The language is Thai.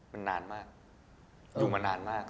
มันนานมากอยู่มานานมาก